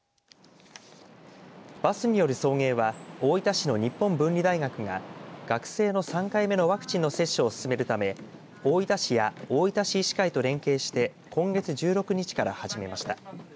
バスによる送迎は大分市の日本文理大学が学生の３回目のワクチンの接種を進めるため大分市や大分市医師会と連携して今月１６日から始めました。